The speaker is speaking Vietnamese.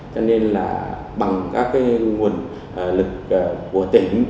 cho nên là bằng các nguồn lực của tỉnh